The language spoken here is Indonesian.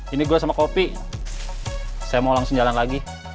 ini gue sama kopi saya mau langsung jalan lagi